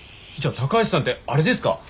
じゃあ高橋さんってあれですか？